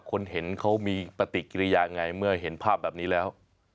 คนเห็นเขามีปฏิกิริยาไงเมื่อเห็นภาพแบบนี้แล้ว